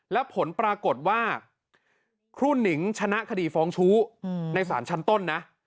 แล้วผลปรากฏว่าครูหนิงชนะคดีฟ้องชู้ในศาลชั้นต้นนะ